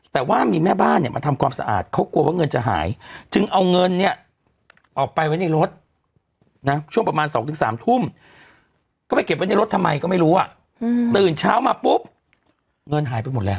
แต่ว่ามีแม่บ้านเนี่ยมาทำความสะอาดเขากลัวว่าเงินจะหายจึงเอาเงินเนี่ยออกไปไว้ในรถนะช่วงประมาณ๒๓ทุ่มก็ไปเก็บไว้ในรถทำไมก็ไม่รู้อ่ะตื่นเช้ามาปุ๊บเงินหายไปหมดแล้ว